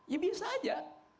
ya biasa aja